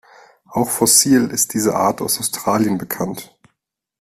Auch fossil ist diese Art aus Australien bekannt.